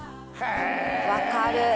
分かる。